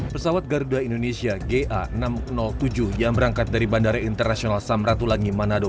pesawat garuda indonesia ga enam ratus tujuh yang berangkat dari bandara internasional samratulangi manado